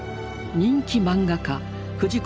人気漫画家藤子